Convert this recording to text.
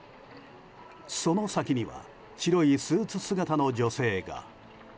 その先には白いスーツ姿の女性が。